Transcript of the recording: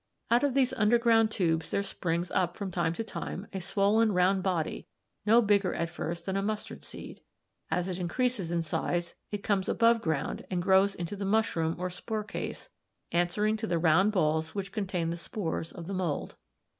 Out of these underground tubes there springs up from time to time a swollen round body no bigger at first than a mustard seed (b1, Fig. 25). As it increases in size it comes above ground and grows into the mushroom or spore case, answering to the round balls which contain the spores of the mould.